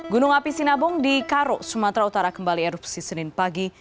gunung api sinabung di karo sumatera utara kembali erupsi senin pagi